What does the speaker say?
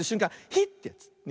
ヒッ！ってやつ。